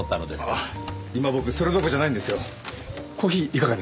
今僕それどころじゃないんですよ。